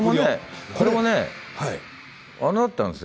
これもねあれだったんですよ。